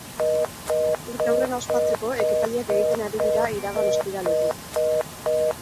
Urteurrena ospatzeko, ekitaldiak egiten ari dira iragan ostiraletik.